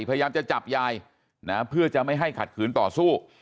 พยายามจะจับยายนะเพื่อจะไม่ให้ขัดขืนต่อสู้